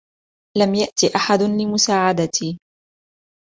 لم يأت أحد لمساعدتي.